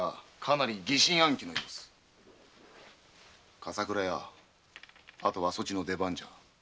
笠倉屋後はそちの出番じゃ。